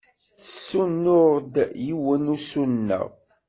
Tessunuɣ-d yiwen usuneɣ.